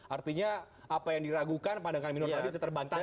artinya apa yang diragukan padangkan minor tadi sudah terbantahkan